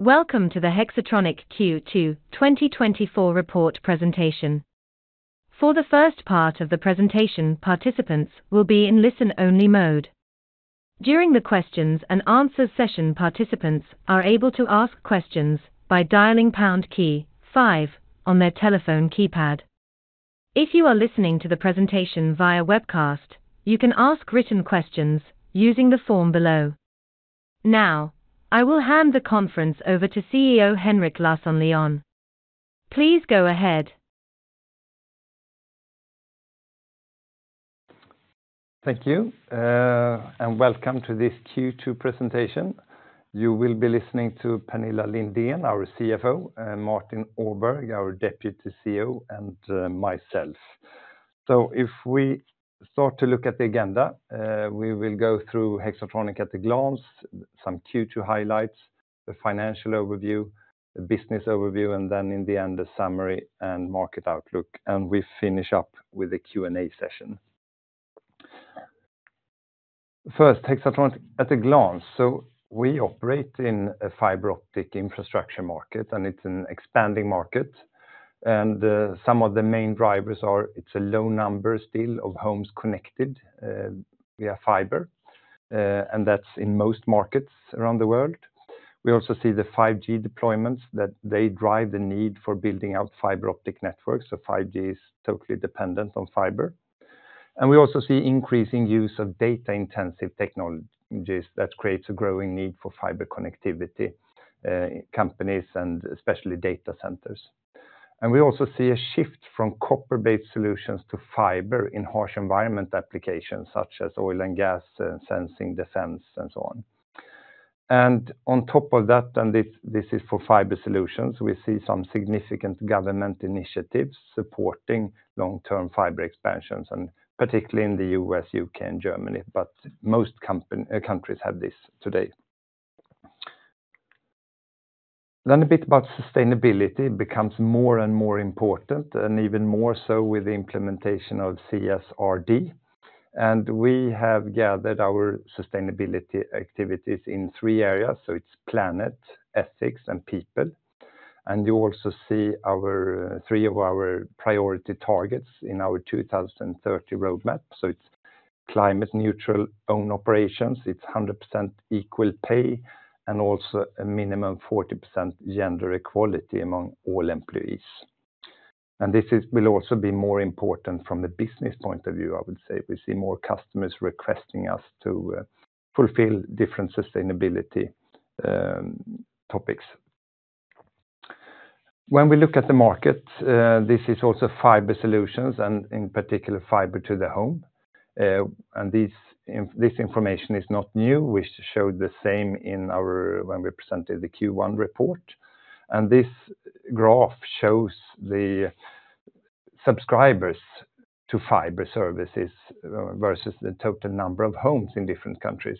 Welcome to the Hexatronic Q2 2024 report presentation. For the first part of the presentation, participants will be in listen-only mode. During the questions and answer session, participants are able to ask questions by dialing pound key five on their telephone keypad. If you are listening to the presentation via webcast, you can ask written questions using the form below. Now, I will hand the conference over to CEO Henrik Larsson-Lyon. Please go ahead. Thank you, and welcome to this Q2 presentation. You will be listening to Pernilla Lindén, our CFO, and Martin Åberg, our Deputy CEO, and myself. So if we start to look at the agenda, we will go through Hexatronic at a glance, some Q2 highlights, the financial overview, the business overview, and then in the end, the summary and market outlook, and we finish up with a Q&A session. First, Hexatronic at a glance. So we operate in a fiber optic infrastructure market, and it's an expanding market, and some of the main drivers are it's a low number still of homes connected via fiber, and that's in most markets around the world. We also see the 5G deployments, that they drive the need for building out fiber optic networks. So 5G is totally dependent on fiber. We also see increasing use of data-intensive technologies that creates a growing need for fiber connectivity, companies and especially data centers. We also see a shift from copper-based solutions to fiber in harsh environment applications such as oil and gas, sensing, defense, and so on. On top of that, this is for fiber solutions. We see some significant government initiatives supporting long-term fiber expansions, and particularly in the U.S., U.K., and Germany, but most countries have this today. Then, a bit about sustainability becomes more and more important, and even more so with the implementation of CSRD. We have gathered our sustainability activities in three areas, so it's planet, ethics, and people. You also see our three of our priority targets in our 2030 roadmap. So it's climate neutral own operations, it's 100% equal pay, and also a minimum 40% gender equality among all employees. And this will also be more important from the business point of view, I would say. We see more customers requesting us to fulfill different sustainability topics. When we look at the market, this is also fiber solutions and in particular, fiber to the home. And this information is not new. We showed the same when we presented the Q1 report. And this graph shows the subscribers to fiber services versus the total number of homes in different countries.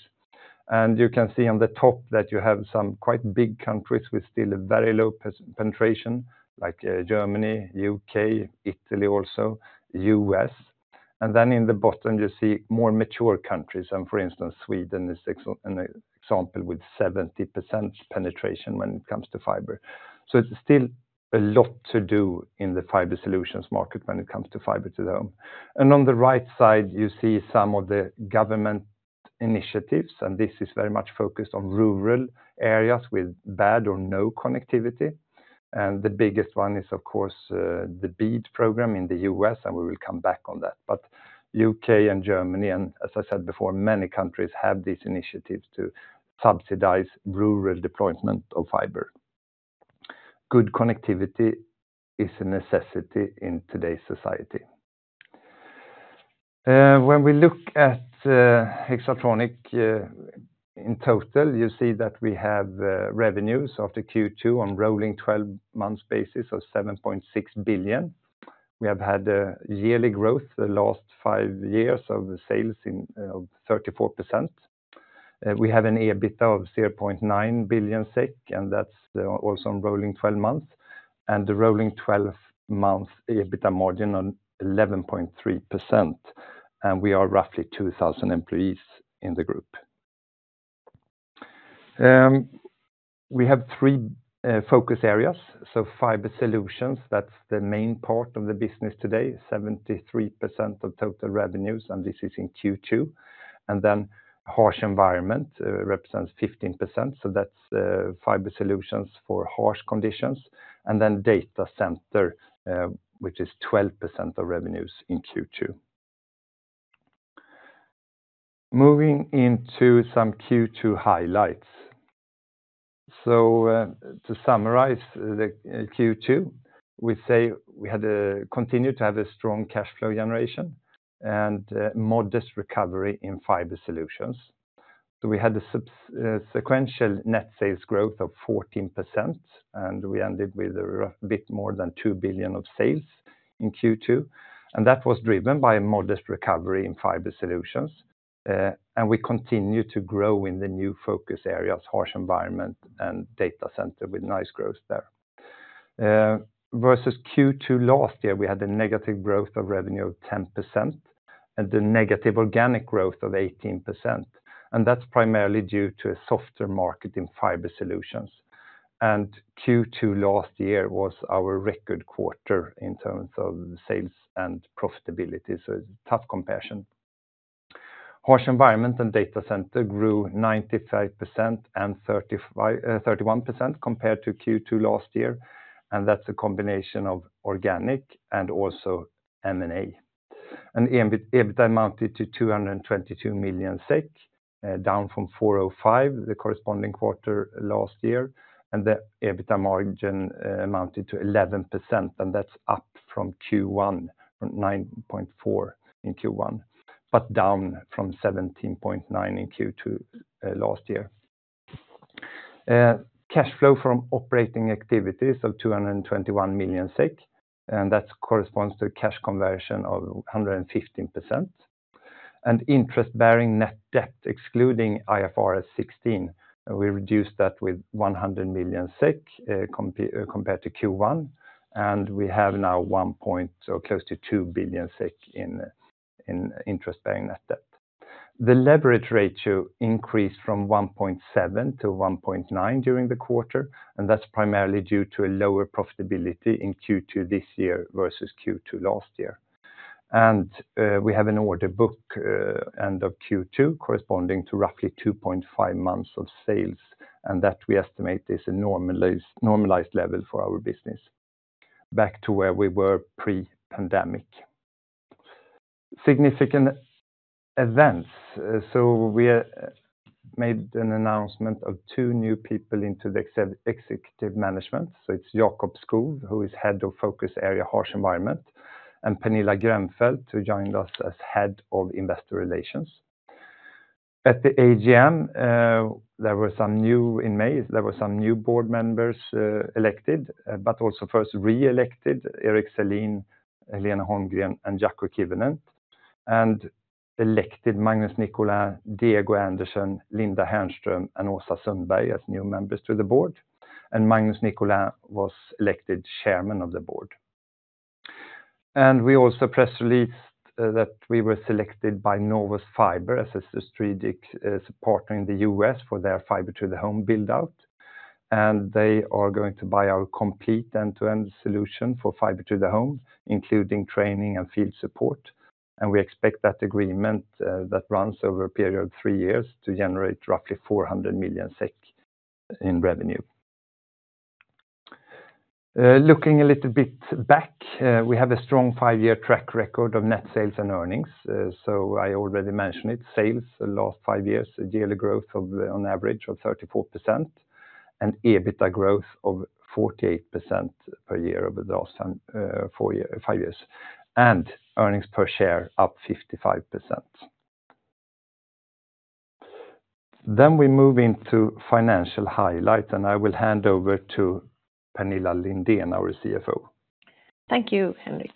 And you can see on the top that you have some quite big countries with still a very low penetration, like, Germany, U.K., Italy, also U.S. And then in the bottom, you see more mature countries, and for instance, Sweden is an example with 70% penetration when it comes to fiber. So it's still a lot to do in the fiber solutions market when it comes to fiber to the home. And on the right side, you see some of the government initiatives, and this is very much focused on rural areas with bad or no connectivity. And the biggest one is, of course, the BEAD program in the US, and we will come back on that. But UK and Germany, and as I said before, many countries have these initiatives to subsidize rural deployment of fiber. Good connectivity is a necessity in today's society. When we look at Hexatronic in total, you see that we have revenues after Q2 on rolling twelve-month basis of 7.6 billion. We have had a yearly growth the last five years of sales in 34%. We have an EBITDA of 0.9 billion SEK, and that's also on rolling twelve months, and the rolling twelve months EBITDA margin on 11.3%, and we are roughly 2,000 employees in the group. We have three focus areas. So fiber solutions, that's the main part of the business today, 73% of total revenues, and this is in Q2. And then harsh environment represents 15%, so that's fiber solutions for harsh conditions. And then data center, which is 12% of revenues in Q2. Moving into some Q2 highlights. So, to summarize the Q2, we say we had continued to have a strong cash flow generation and modest recovery in fiber solutions. So we had a sequential net sales growth of 14%, and we ended with a bit more than 2 billion of sales in Q2, and that was driven by a modest recovery in fiber solutions. And we continue to grow in the new focus areas, harsh environment and data center, with nice growth there. Versus Q2 last year, we had a negative growth of revenue of 10% and the negative organic growth of 18%, and that's primarily due to a softer market in fiber solutions. And Q2 last year was our record quarter in terms of sales and profitability, so it's a tough comparison. Harsh environment and data center grew 95% and 31% compared to Q2 last year, and that's a combination of organic and also M&A. EBITDA amounted to 222 million SEK, down from 405, the corresponding quarter last year, and the EBITDA margin amounted to 11%, and that's up from Q1, from 9.4 in Q1, but down from 17.9 in Q2 last year. Cash flow from operating activities of 221 million SEK, and that corresponds to a cash conversion of 115%. And interest-bearing net debt, excluding IFRS 16, we reduced that with 100 million SEK, compared to Q1, and we have now 1 or close to 2 billion in interest-bearing net debt. The leverage ratio increased from 1.7 to 1.9 during the quarter, and that's primarily due to a lower profitability in Q2 this year versus Q2 last year. We have an order book end of Q2, corresponding to roughly 2.5 months of sales, and that we estimate is a normalized level for our business, back to where we were pre-pandemic. Significant events. We made an announcement of two new people into the executive management. It's Jakob Skog, who is Head of Focus Area Harsh Environment, and Pernilla Grennfelt, who joined us as Head of Investor Relations. At the AGM, there were some new... In May, there were some new board members elected, but also first re-elected Erik Selin, Helena Holmgren, and Jaakko Kivinen, and elected Magnus Nicolin, Diego Anderson, Linda Hernström, and Åsa Sundberg as new members to the board. Magnus Nicolin was elected Chairman of the Board. We also press released that we were selected by Novos Fiber as a strategic partner in the US for their fiber to the home build-out, and they are going to buy our complete end-to-end solution for fiber to the home, including training and field support. We expect that agreement that runs over a period of three years to generate roughly 400 million SEK in revenue. Looking a little bit back, we have a strong five-year track record of net sales and earnings. So I already mentioned it, sales the last five years, a yearly growth of, on average, of 34%, and EBITDA growth of 48% per year over the last five years, and earnings per share up 55%. Then we move into financial highlight, and I will hand over to Pernilla Lindén, our CFO. Thank you, Henrik.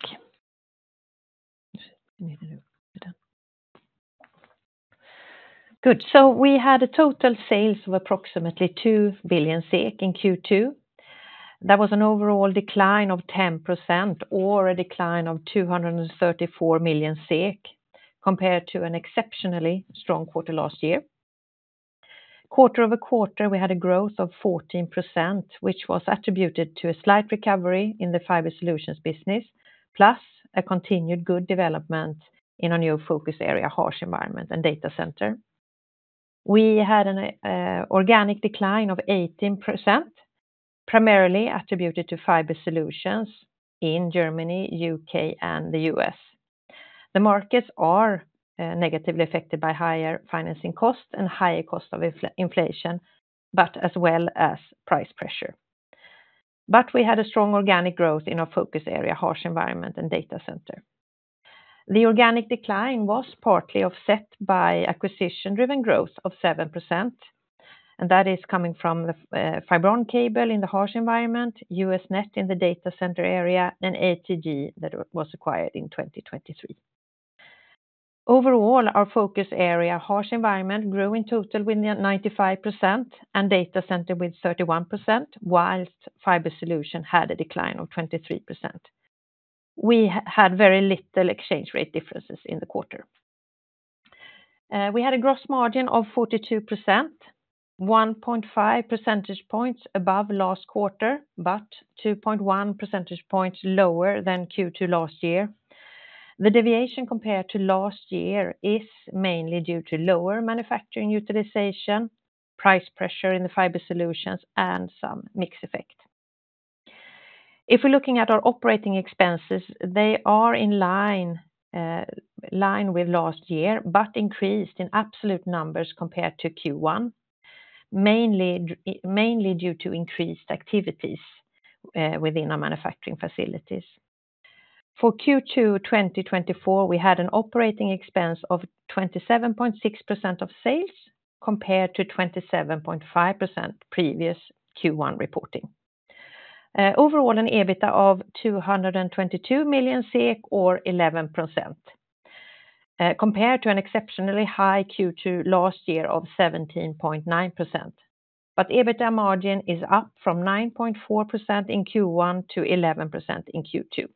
Good, so we had total sales of approximately 2 billion SEK in Q2. That was an overall decline of 10% or a decline of 234 million SEK compared to an exceptionally strong quarter last year. Quarter over quarter, we had a growth of 14%, which was attributed to a slight recovery in the fiber solutions business, plus a continued good development in our new focus area, harsh environment and data center. We had an organic decline of 18%, primarily attributed to fiber solutions in Germany, UK, and the US. The markets are negatively affected by higher financing costs and higher cost of inflation, but as well as price pressure. But we had a strong organic growth in our focus area, harsh environment and data center. The organic decline was partly offset by acquisition-driven growth of 7%, and that is coming from the Fibron Cable in the harsh environment, US Net in the data center area, and ATG that was acquired in 2023. Overall, our focus area, harsh environment, grew in total with 95% and data center with 31%, while fiber solution had a decline of 23%. We had very little exchange rate differences in the quarter. We had a gross margin of 42%, 1.5 percentage points above last quarter, but 2.1 percentage points lower than Q2 last year. The deviation compared to last year is mainly due to lower manufacturing utilization, price pressure in the fiber solutions, and some mix effect. If we're looking at our operating expenses, they are in line, line with last year, but increased in absolute numbers compared to Q1, mainly, mainly due to increased activities, within our manufacturing facilities. For Q2 2024, we had an operating expense of 27.6% of sales, compared to 27.5% previous Q1 reporting. Overall, an EBITDA of 222 million SEK or 11%. Compared to an exceptionally high Q2 last year of 17.9%. But EBITDA margin is up from 9.4% in Q1 to 11% in Q2.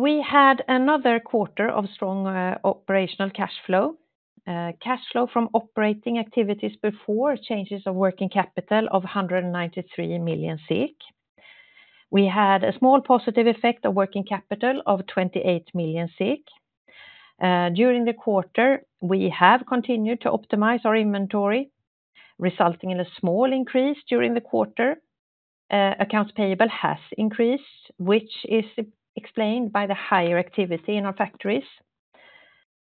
We had another quarter of strong, operational cash flow. Cash flow from operating activities before changes of working capital of 193 million. We had a small positive effect of working capital of 28 million. During the quarter, we have continued to optimize our inventory, resulting in a small increase during the quarter. Accounts payable has increased, which is explained by the higher activity in our factories.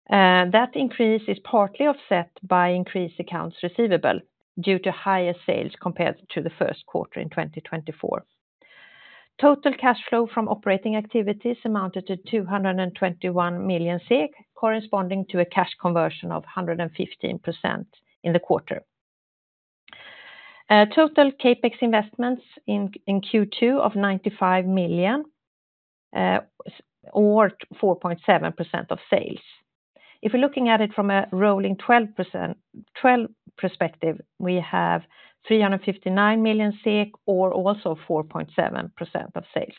That increase is partly offset by increased accounts receivable due to higher sales compared to the first quarter in 2024. Total cash flow from operating activities amounted to 221 million SEK, corresponding to a cash conversion of 115% in the quarter. Total CapEx investments in Q2 of 95 million, or 4.7% of sales. If we're looking at it from a rolling 12-month perspective, we have 359 million, or also 4.7% of sales.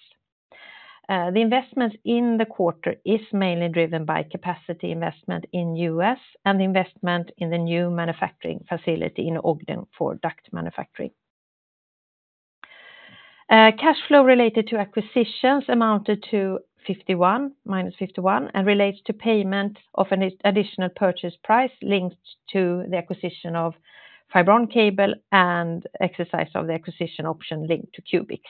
The investment in the quarter is mainly driven by capacity investment in U.S. and investment in the new manufacturing facility in Ogden for duct manufacturing. Cash flow related to acquisitions amounted to -51, and relates to payment of an additional purchase price linked to the acquisition of Fibron Cable and exercise of the acquisition option linked to Qubix.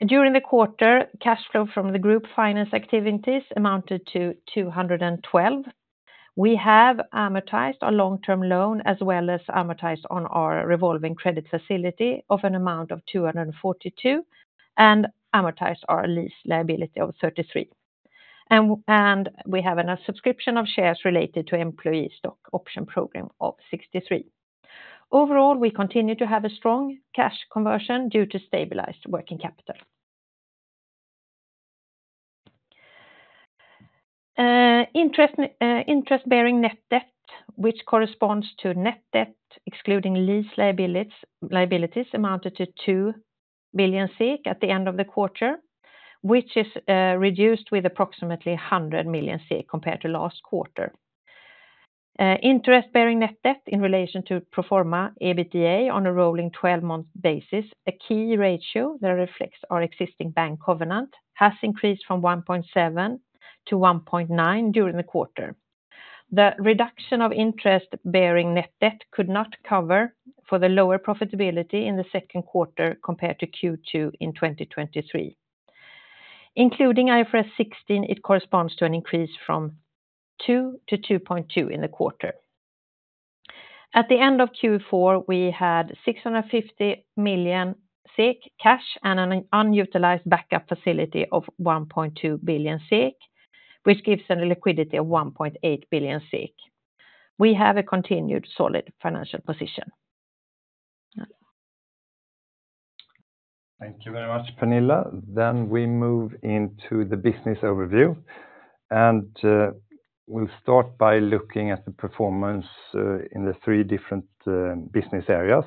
During the quarter, cash flow from the group financing activities amounted to 212. We have amortized our long-term loan, as well as amortized on our revolving credit facility of an amount of 242, and amortized our lease liability of 33. We have a subscription of shares related to employee stock option program of 63. Overall, we continue to have a strong cash conversion due to stabilized working capital. Interest bearing net debt, which corresponds to net debt, excluding lease liabilities, amounted to 2 billion at the end of the quarter, which is reduced with approximately 100 million compared to last quarter. Interest bearing net debt in relation to pro forma EBITDA on a rolling twelve-month basis, a key ratio that reflects our existing bank covenant, has increased from 1.7 to 1.9 during the quarter. The reduction of interest bearing net debt could not cover for the lower profitability in the second quarter compared to Q2 in 2023. Including IFRS 16, it corresponds to an increase from 2 to 2.2 in the quarter. At the end of Q4, we had 650 million cash and an unutilized backup facility of 1.2 billion, which gives a liquidity of 1.8 billion. We have a continued solid financial position. Thank you very much, Pernilla. Then we move into the business overview, and we'll start by looking at the performance in the three different business areas.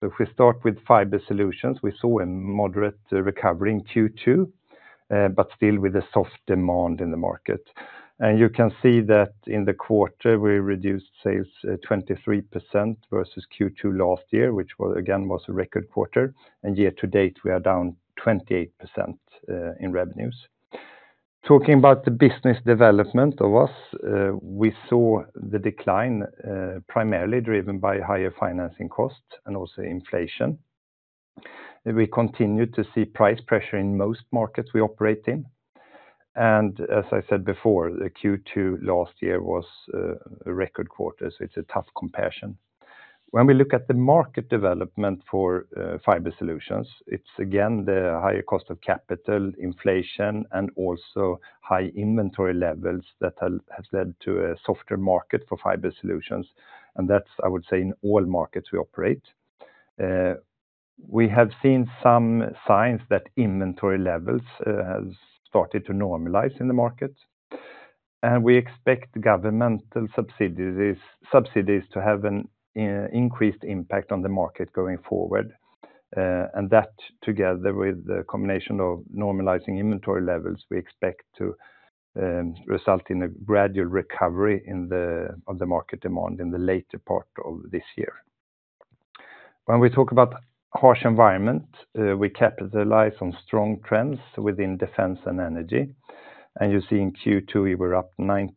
So if we start with Fiber Solutions, we saw a moderate recovery in Q2, but still with a soft demand in the market. And you can see that in the quarter, we reduced sales 23% versus Q2 last year, which was, again, a record quarter. And year to date, we are down 28% in revenues. Talking about the business development of us, we saw the decline primarily driven by higher financing costs and also inflation. We continued to see price pressure in most markets we operate in. And as I said before, the Q2 last year was a record quarter, so it's a tough comparison. When we look at the market development for Fiber Solutions, it's again the higher cost of capital, inflation, and also high inventory levels that have led to a softer market for Fiber Solutions, and that's, I would say, in all markets we operate. We have seen some signs that inventory levels has started to normalize in the market, and we expect governmental subsidies to have an increased impact on the market going forward. And that, together with the combination of normalizing inventory levels, we expect to result in a gradual recovery in the of the market demand in the later part of this year. When we talk about harsh environment, we capitalize on strong trends within defense and energy, and you see in Q2, we were up 95%,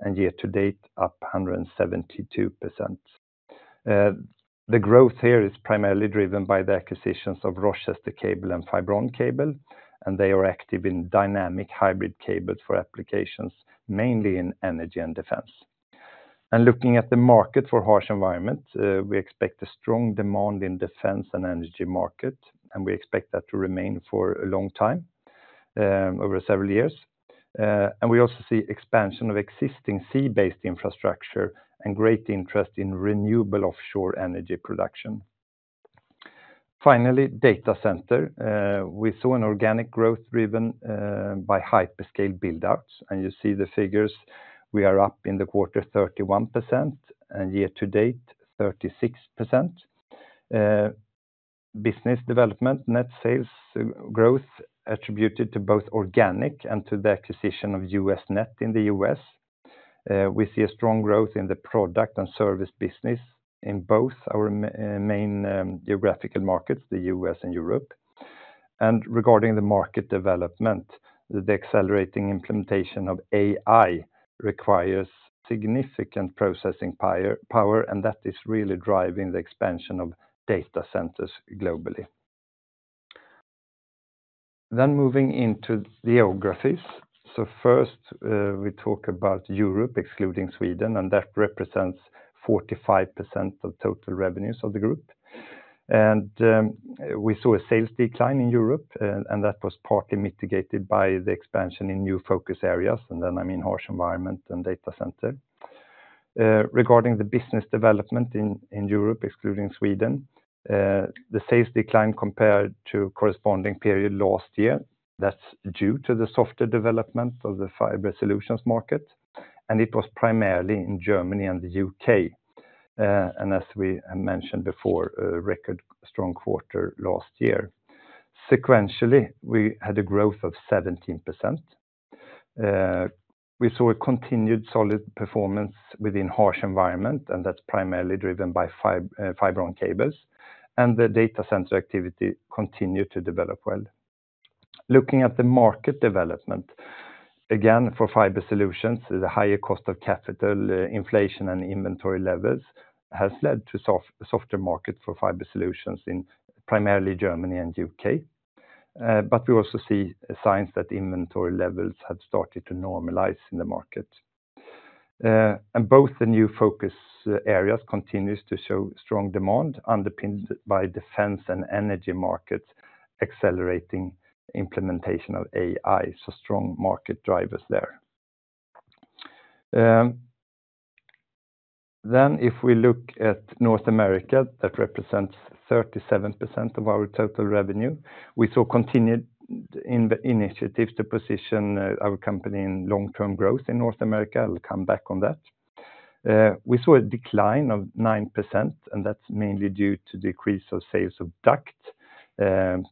and year to date, up 172%. The growth here is primarily driven by the acquisitions of Rochester Cable and Fibron Cable, and they are active in dynamic hybrid cables for applications, mainly in energy and defense. Looking at the market for harsh environment, we expect a strong demand in defense and energy market, and we expect that to remain for a long time, over several years. We also see expansion of existing sea-based infrastructure and great interest in renewable offshore energy production. Finally, data center. We saw an organic growth driven by hyperscale build outs, and you see the figures. We are up in the quarter 31% and year to date, 36%. Business development, net sales growth attributed to both organic and to the acquisition of US Net in the US. We see a strong growth in the product and service business in both our main geographical markets, the US and Europe. And regarding the market development, the accelerating implementation of AI requires significant processing power, and that is really driving the expansion of data centers globally. Then moving into geographies. So first, we talk about Europe, excluding Sweden, and that represents 45% of total revenues of the group. And, we saw a sales decline in Europe, and that was partly mitigated by the expansion in new focus areas, and then, I mean, harsh environment and data center. Regarding the business development in Europe, excluding Sweden, the sales decline compared to corresponding period last year, that's due to the softer development of the fiber solutions market, and it was primarily in Germany and the UK. And as we mentioned before, a record strong quarter last year. Sequentially, we had a growth of 17%. We saw a continued solid performance within harsh environment, and that's primarily driven by Fibron Cables, and the data center activity continued to develop well. Looking at the market development, again, for fiber solutions, the higher cost of capital, inflation, and inventory levels has led to softer market for fiber solutions in primarily Germany and UK. But we also see signs that inventory levels have started to normalize in the market. And both the new focus areas continues to show strong demand, underpinned by defense and energy markets, accelerating implementation of AI. So strong market drivers there. Then if we look at North America, that represents 37% of our total revenue. We saw continued initiatives to position our company in long-term growth in North America. I'll come back on that. We saw a decline of 9%, and that's mainly due to decrease of sales of duct, and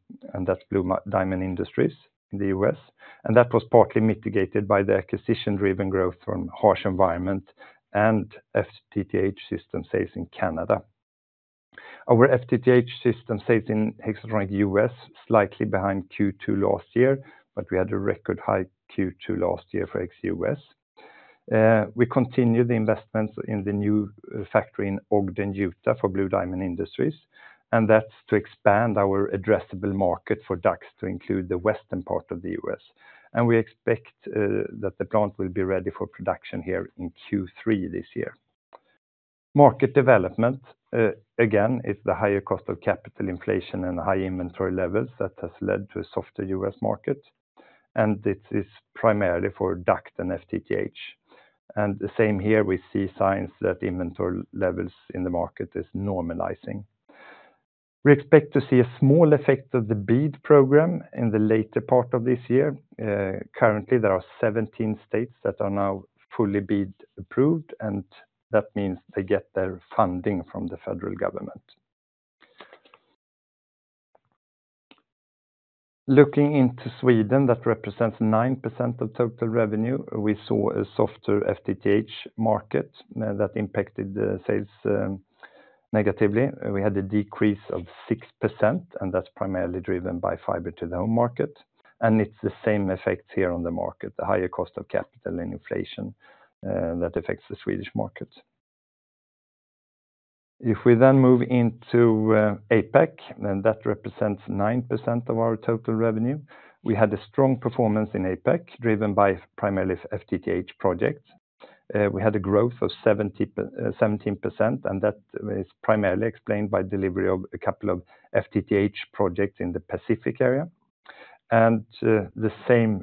that's Blue Diamond Industries in the US. And that was partly mitigated by the acquisition-driven growth from harsh environment and FTTH system sales in Canada. Our FTTH system sales in Hexatronic US, slightly behind Q2 last year, but we had a record high Q2 last year for HxUS. We continued the investments in the new factory in Ogden, Utah, for Blue Diamond Industries, and that's to expand our addressable market for ducts to include the western part of the US. We expect that the plant will be ready for production here in Q3 this year. Market development, again, is the higher cost of capital inflation and high inventory levels that has led to a softer US market, and this is primarily for duct and FTTH. And the same here, we see signs that inventory levels in the market is normalizing. We expect to see a small effect of the BEAD program in the later part of this year. Currently, there are 17 states that are now fully BEAD approved, and that means they get their funding from the federal government. Looking into Sweden, that represents 9% of total revenue. We saw a softer FTTH market that impacted the sales negatively. We had a decrease of 6%, and that's primarily driven by fiber to the home market. And it's the same effect here on the market, the higher cost of capital and inflation that affects the Swedish market. If we then move into APAC, and that represents 9% of our total revenue, we had a strong performance in APAC, driven by primarily FTTH projects. We had a growth of 17%, and that is primarily explained by delivery of a couple of FTTH projects in the Pacific area. And, the same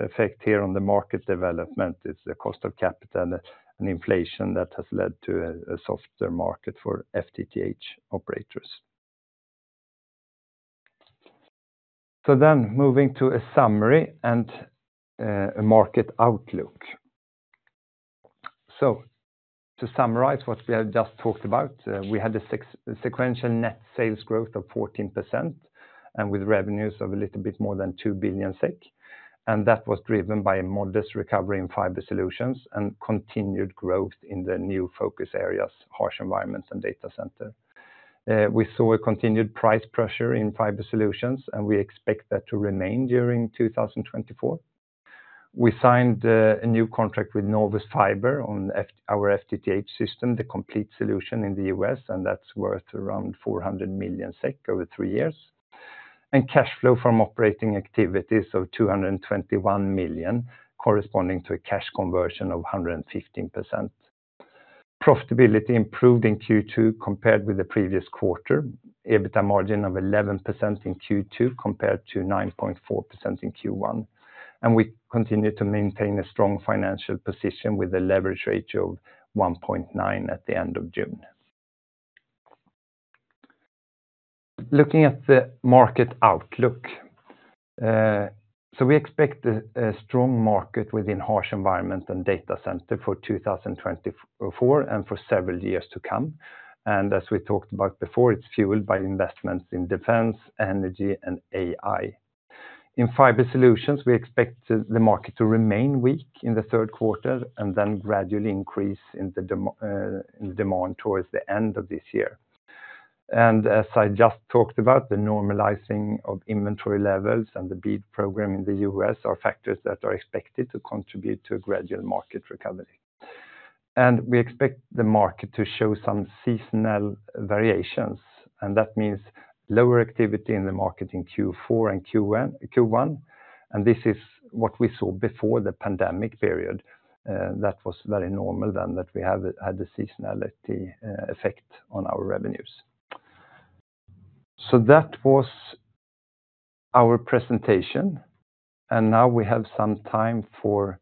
effect here on the market development is the cost of capital and inflation that has led to a softer market for FTTH operators. So then moving to a summary and a market outlook. To summarize what we have just talked about, we had a 6% sequential net sales growth of 14% and with revenues of a little bit more than 2 billion SEK, and that was driven by a modest recovery in fiber solutions and continued growth in the new focus areas, harsh environments and data center. We saw a continued price pressure in fiber solutions, and we expect that to remain during 2024. We signed a new contract with Novos Fiber on for our FTTH system, the complete solution in the US, and that's worth around 400 million SEK over three years. Cash flow from operating activities of 221 million, corresponding to a cash conversion of 115%. Profitability improved in Q2 compared with the previous quarter. EBITDA margin of 11% in Q2, compared to 9.4% in Q1. We continue to maintain a strong financial position with a leverage ratio of 1.9 at the end of June. Looking at the market outlook, so we expect a strong market within harsh environment and data center for 2024, and for several years to come. As we talked about before, it's fueled by investments in defense, energy, and AI. In fiber solutions, we expect the market to remain weak in the third quarter, and then gradually increase in demand towards the end of this year. As I just talked about, the normalizing of inventory levels and the BEAD program in the US are factors that are expected to contribute to a gradual market recovery. And we expect the market to show some seasonal variations, and that means lower activity in the market in Q4 and Q1. And this is what we saw before the pandemic period, that was very normal then, that we had the seasonality effect on our revenues. So that was our presentation, and now we have some time for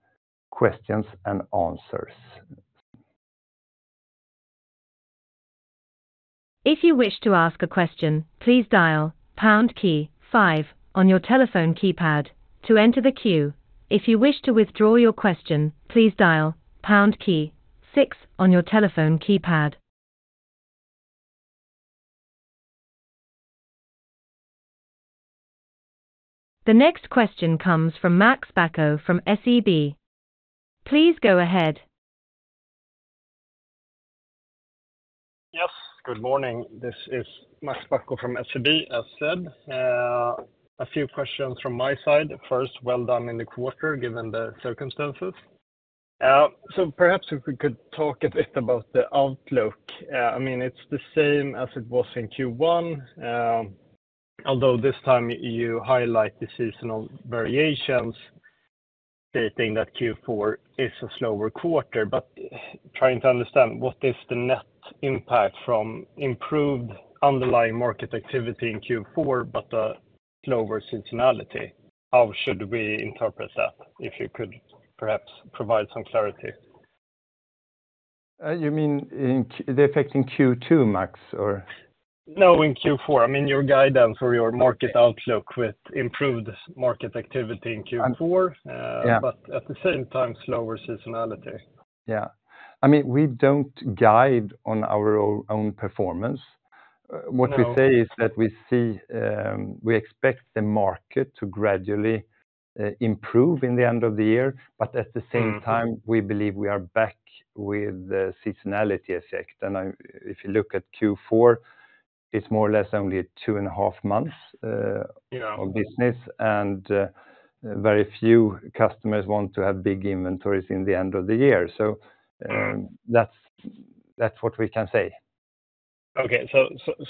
questions and answers. If you wish to ask a question, please dial pound key five on your telephone keypad to enter the queue. If you wish to withdraw your question, please dial pound key six on your telephone keypad. The next question comes from Max Bacco from SEB. Please go ahead. Yes, good morning. This is Max Bacco from SEB. As said, a few questions from my side. First, well done in the quarter, given the circumstances. So perhaps if we could talk a bit about the outlook. I mean, it's the same as it was in Q1, although this time you highlight the seasonal variations, stating that Q4 is a slower quarter. But trying to understand what is the net impact from improved underlying market activity in Q4, but the slower seasonality, how should we interpret that? If you could perhaps provide some clarity. You mean the effect in Q2, Max, or? No, in Q4. I mean, your guidance or your market outlook with improved market activity in Q4? Uh, yeah. but at the same time, slower seasonality. Yeah. I mean, we don't guide on our own performance. No. What we say is that we see, we expect the market to gradually improve in the end of the year. Mm-hmm. But at the same time, we believe we are back with the seasonality effect. And, if you look at Q4, it's more or less only two and a half months, Yeah... of business, and very few customers want to have big inventories in the end of the year. Mm. That's, that's what we can say. Okay.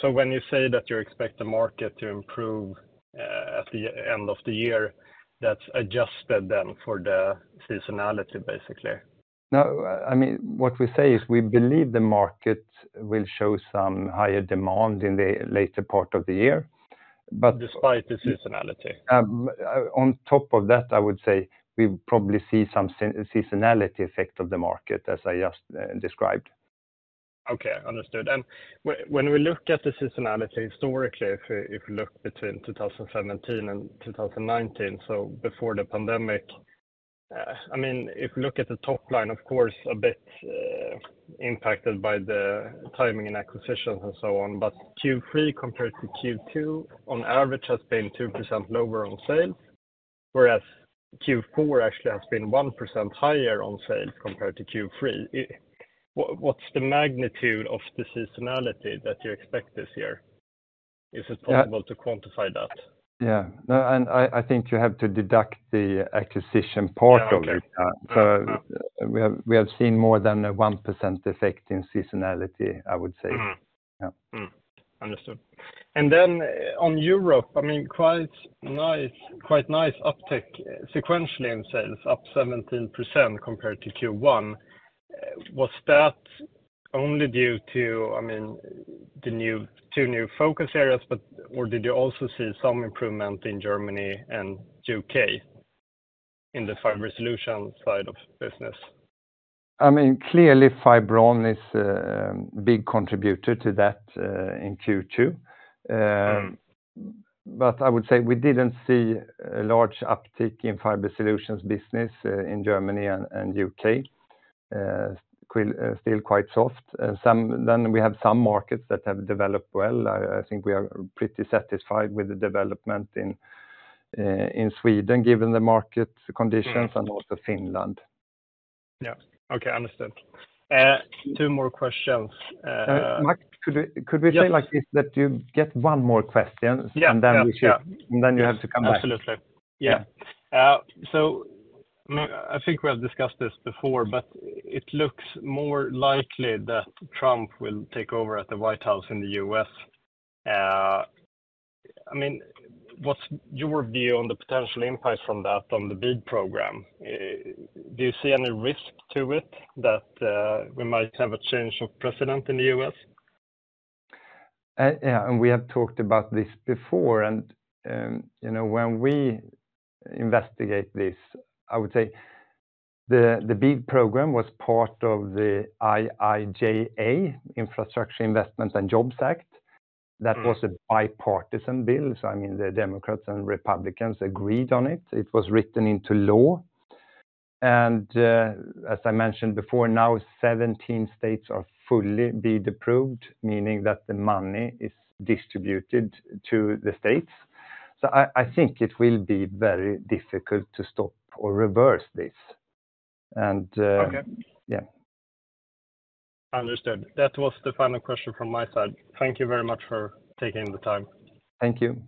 So when you say that you expect the market to improve at the end of the year, that's adjusted then for the seasonality, basically? No, I mean, what we say is, we believe the market will show some higher demand in the later part of the year, but- Despite the seasonality? On top of that, I would say we probably see some seasonality effect of the market, as I just described. Okay, understood. When we look at the seasonality historically, if we look between 2017 and 2019, so before the pandemic, I mean, if we look at the top line, of course, a bit impacted by the timing and acquisitions and so on, but Q3 compared to Q2 on average has been 2% lower on sales, whereas Q4 actually has been 1% higher on sales compared to Q3. What is the magnitude of the seasonality that you expect this year? Yeah. Is it possible to quantify that? Yeah. No, and I, I think you have to deduct the acquisition part of it. Yeah, okay. So we have seen more than a 1% effect in seasonality, I would say. Mm-hmm. Yeah. Mm, understood. Then on Europe, I mean, quite nice, quite nice uptick sequentially in sales, up 17% compared to Q1. Was that only due to, I mean, the two new focus areas, but... or did you also see some improvement in Germany and UK in the fiber solution side of business? I mean, clearly, Fibron is a big contributor to that in Q2. Mm. But I would say we didn't see a large uptick in fiber solutions business in Germany and, and UK. Still, still quite soft. Then we have some markets that have developed well. I think we are pretty satisfied with the development in, in Sweden, given the market conditions. Right. and also Finland. Yeah. Okay, understood. Two more questions. Max, could we- Yes... say like, if, that you get one more question- Yeah, yeah, yeah... and then we should, and then you have to come back. Absolutely. Yeah. Yeah. So, I think we have discussed this before, but it looks more likely that Trump will take over at the White House in the U.S.... I mean, what's your view on the potential impact from that on the BEAD program? Do you see any risk to it, that we might have a change of president in the U.S.? Yeah, and we have talked about this before, and, you know, when we investigate this, I would say the, the BEAD program was part of the IIJA, Infrastructure Investment and Jobs Act. That was a bipartisan bill. So I mean, the Democrats and Republicans agreed on it. It was written into law. And, now 17 states are fully BEAD approved, meaning that the money is distributed to the states. So I think it will be very difficult to stop or reverse this. Okay. Yeah. Understood. That was the final question from my side. Thank you very much for taking the time. Thank you.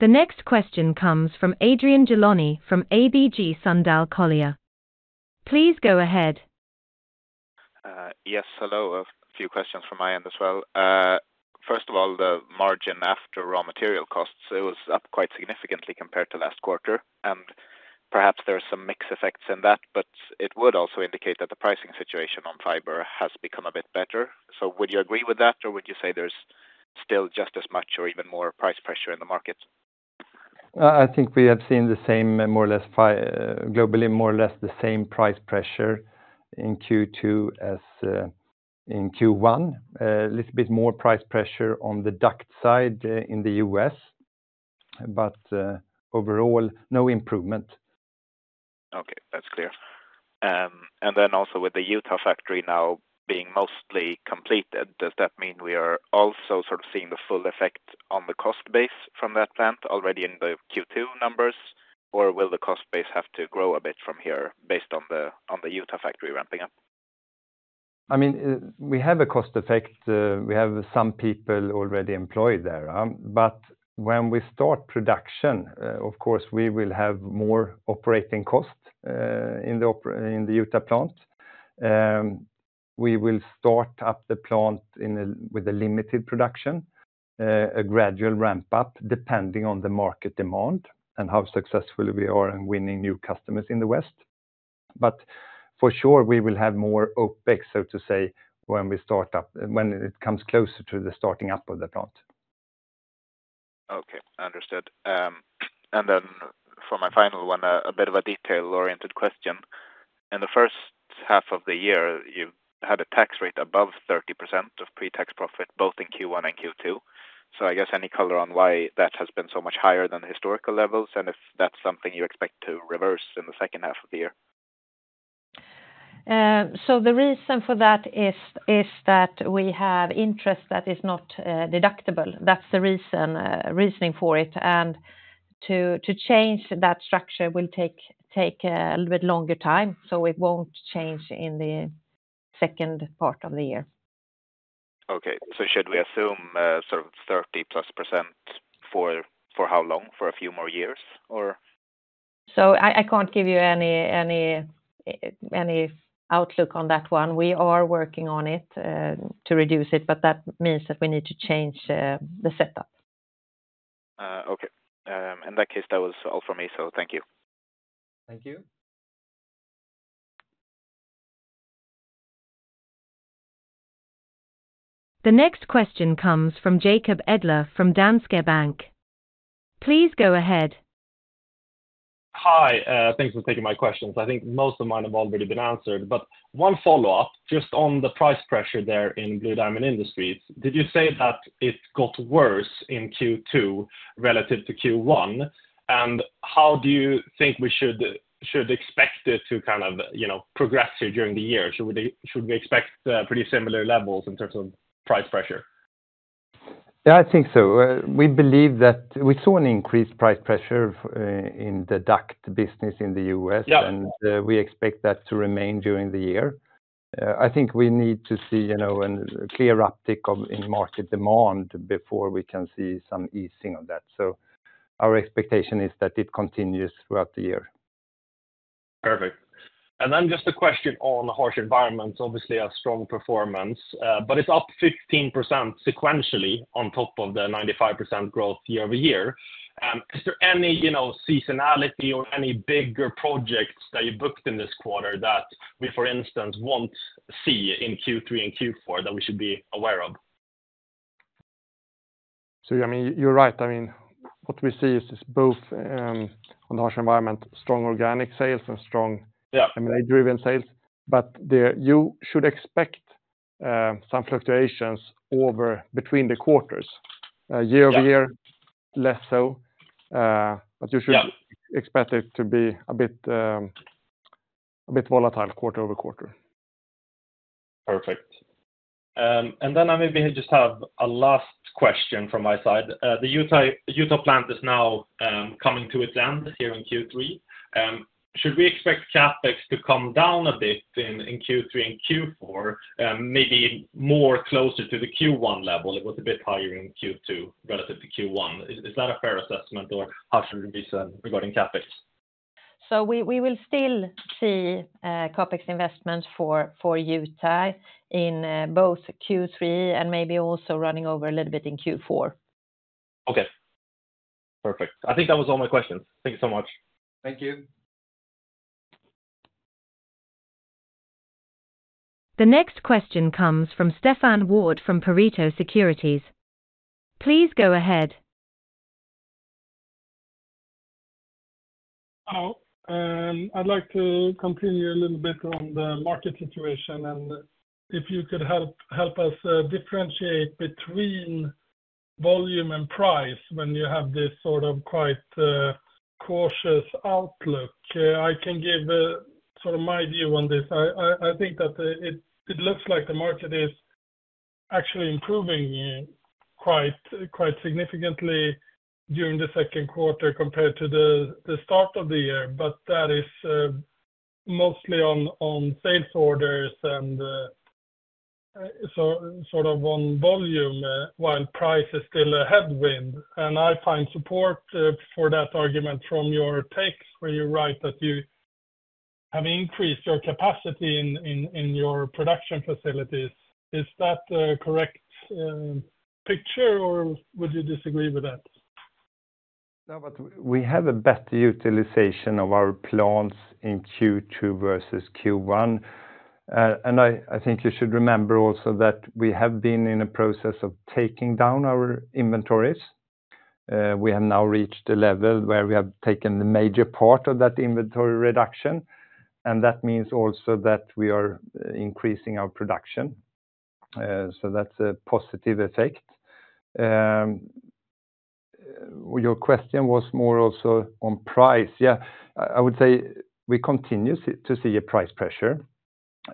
The next question comes from Adrian Gilani, from ABG Sundal Collier. Please go ahead. Yes, hello. A few questions from my end as well. First of all, the margin after raw material costs, it was up quite significantly compared to last quarter, and perhaps there are some mix effects in that, but it would also indicate that the pricing situation on fiber has become a bit better. So would you agree with that, or would you say there's still just as much or even more price pressure in the market? I think we have seen the same, more or less, globally, more or less, the same price pressure in Q2 as in Q1. A little bit more price pressure on the duct side in the U.S., but overall, no improvement. Okay, that's clear. And then also with the Utah factory now being mostly completed, does that mean we are also sort of seeing the full effect on the cost base from that plant already in the Q2 numbers? Or will the cost base have to grow a bit from here based on the Utah factory ramping up? I mean, we have a cost effect. We have some people already employed there, but when we start production, of course, we will have more operating costs in the Utah plant. We will start up the plant with a limited production, a gradual ramp-up, depending on the market demand and how successful we are in winning new customers in the West. But for sure, we will have more OpEx, so to say, when we start up, when it comes closer to the starting up of the plant. Okay, understood. And then for my final one, a bit of a detail-oriented question. In the first half of the year, you had a tax rate above 30% of pre-tax profit, both in Q1 and Q2. So I guess any color on why that has been so much higher than historical levels, and if that's something you expect to reverse in the second half of the year? So the reason for that is that we have interest that is not deductible. That's the reasoning for it. And to change that structure will take a little bit longer time, so it won't change in the second part of the year. Okay. So should we assume, sort of 30+% for how long? For a few more years, or? I can't give you any outlook on that one. We are working on it to reduce it, but that means that we need to change the setup. Okay. In that case, that was all for me, so thank you. Thank you. The next question comes from Jakob Edler, from Danske Bank. Please go ahead. Hi, thanks for taking my questions. I think most of mine have already been answered, but one follow-up, just on the price pressure there in Blue Diamond Industries. Did you say that it got worse in Q2 relative to Q1? And how do you think we should expect it to kind of, you know, progress here during the year? Should we expect pretty similar levels in terms of price pressure? Yeah, I think so. We believe that we saw an increased price pressure in the duct business in the U.S.- Yeah. We expect that to remain during the year. I think we need to see, you know, a clear uptick in market demand before we can see some easing of that. So our expectation is that it continues throughout the year. Perfect. And then just a question on the harsh environments, obviously, a strong performance, but it's up 15% sequentially on top of the 95% growth year-over-year. Is there any, you know, seasonality or any bigger projects that you booked in this quarter that we, for instance, won't see in Q3 and Q4, that we should be aware of? So, I mean, you're right. I mean, what we see is this both on the harsh environment, strong organic sales and strong- Yeah - M&A-driven sales. But the... You should expect some fluctuations over between the quarters. Year over year- Yeah... less so, but you should- Yeah Expect it to be a bit, a bit volatile quarter-over-quarter. Perfect. And then I maybe just have a last question from my side. The Utah plant is now coming to its end here in Q3. Should we expect CapEx to come down a bit in Q3 and Q4, maybe more closer to the Q1 level? It was a bit higher in Q2 relative to Q1. Is that a fair assessment, or how should it be said regarding CapEx?... So we will still see CapEx investments for Utah in both Q3 and maybe also running over a little bit in Q4. Okay, perfect. I think that was all my questions. Thank you so much. Thank you. The next question comes from Stefan Wård from Pareto Securities. Please go ahead. Oh, I'd like to continue a little bit on the market situation, and if you could help us differentiate between volume and price when you have this sort of quite cautious outlook. I can give sort of my view on this. I think that it looks like the market is actually improving quite significantly during the second quarter compared to the start of the year, but that is mostly on sales orders and so sort of on volume while price is still a headwind. And I find support for that argument from your takes, where you write that you have increased your capacity in your production facilities. Is that the correct picture, or would you disagree with that? No, but we have a better utilization of our plants in Q2 versus Q1. And I think you should remember also that we have been in a process of taking down our inventories. We have now reached the level where we have taken the major part of that inventory reduction, and that means also that we are increasing our production. So that's a positive effect. Your question was more also on price. Yeah, I would say we continue to see a price pressure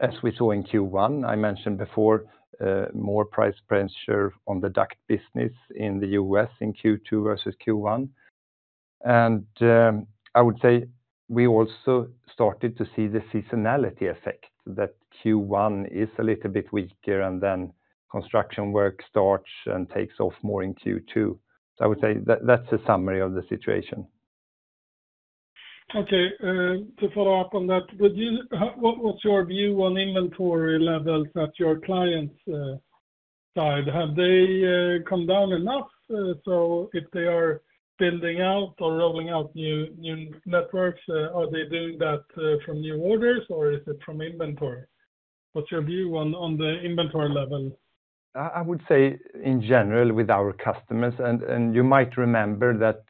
as we saw in Q1. I mentioned before, more price pressure on the duct business in the U.S. in Q2 versus Q1. And I would say we also started to see the seasonality effect, that Q1 is a little bit weaker, and then construction work starts and takes off more in Q2. I would say that, that's a summary of the situation. Okay, to follow up on that, would you—what was your view on inventory levels at your clients' side? Have they come down enough, so if they are building out or rolling out new, new networks, are they doing that from new orders, or is it from inventory? What's your view on, on the inventory level? I would say in general with our customers, and you might remember that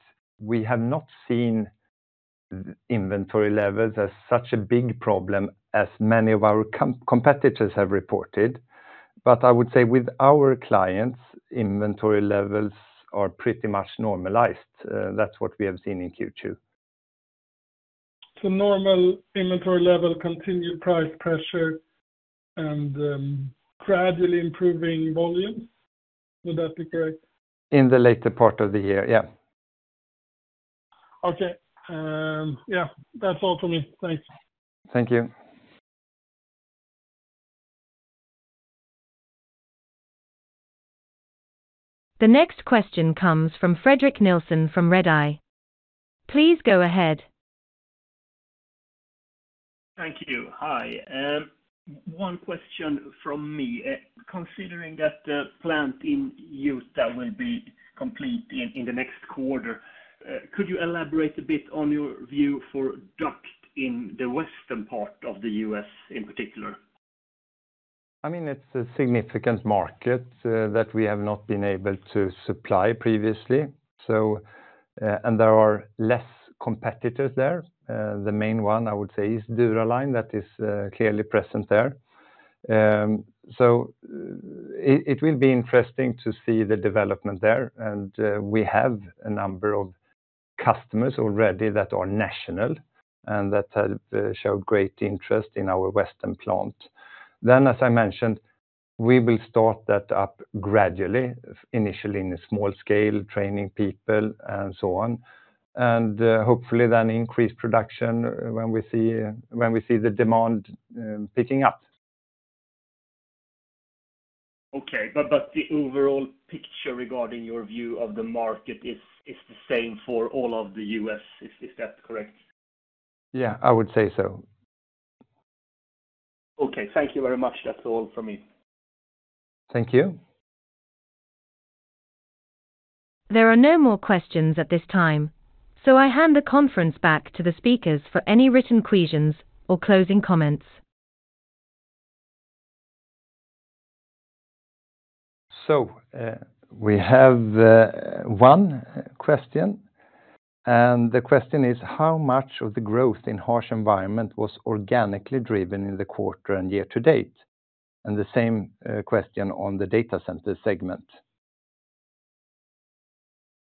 we have not seen inventory levels as such a big problem as many of our competitors have reported. But I would say with our clients, inventory levels are pretty much normalized. That's what we have seen in Q2. So normal inventory level, continued price pressure, and gradually improving volumes. Would that be correct? In the later part of the year, yeah. Okay, yeah, that's all for me. Thanks. Thank you. The next question comes from Fredrik Nilsson from Redeye. Please go ahead. Thank you. Hi, one question from me. Considering that the plant in Utah will be complete in the next quarter, could you elaborate a bit on your view for duct in the western part of the U.S. in particular? I mean, it's a significant market that we have not been able to supply previously, so, and there are less competitors there. The main one, I would say, is Dura-Line. That is clearly present there. So it will be interesting to see the development there, and we have a number of customers already that are national and that have showed great interest in our western plant. Then, as I mentioned, we will start that up gradually, initially in a small scale, training people and so on, and hopefully then increase production when we see the demand picking up. Okay. But the overall picture regarding your view of the market is the same for all of the U.S. Is that correct? Yeah, I would say so. Okay. Thank you very much. That's all from me. Thank you. There are no more questions at this time, so I hand the conference back to the speakers for any written questions or closing comments. So, we have one question, and the question is: How much of the growth in harsh environment was organically driven in the quarter and year to date? And the same question on the data center segment.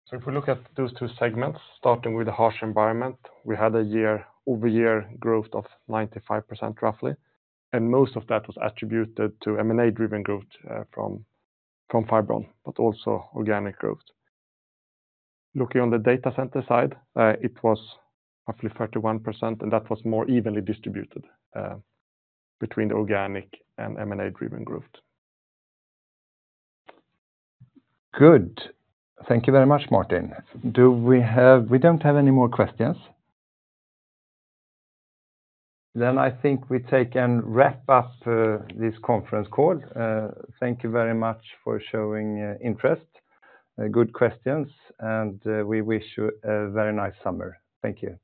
So if we look at those two segments, starting with the harsh environment, we had a year-over-year growth of 95%, roughly, and most of that was attributed to M&A driven growth, from, from Fibron, but also organic growth. Looking on the data center side, it was roughly 31%, and that was more evenly distributed, between the organic and M&A-driven growth. Good. Thank you very much, Martin. We don't have any more questions? Then I think we take and wrap up this conference call. Thank you very much for showing interest, good questions, and we wish you a very nice summer. Thank you.